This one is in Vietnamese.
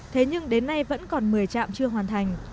thế nhưng đến nay vẫn còn một mươi trạm chưa hoàn thành